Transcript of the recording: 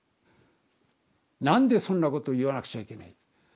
何でそんなこと言わなくちゃいけない。